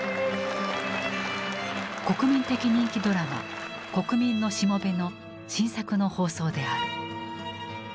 国民的人気ドラマ「国民の僕」の新作の放送である。